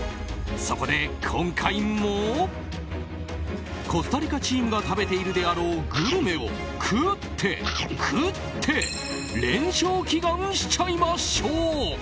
そこで今回もコスタリカチームが食べているであろうグルメを食って、食って連勝祈願しちゃいましょう！